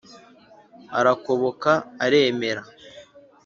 Arakoboka aremera